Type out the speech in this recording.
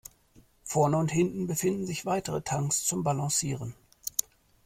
Vorne und hinten befinden sich weitere Tanks zum Balancieren.